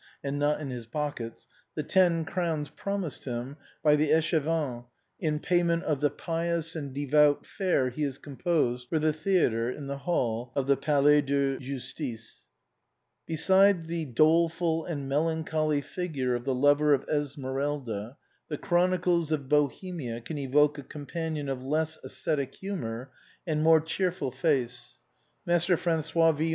and not in his pockets — the ten crowns promised him by the échevins in payment of the pious and devout farce he has composed for the theatre in the hall of the Palais de Justice. Beside the doleful and melancholy figure of the lover Esmeralda, the chronicles of Bohemia can evoke a companion of less ascetic humor and more cheerful face — Master François Villon, the lover of "la belle qui fut haultmire."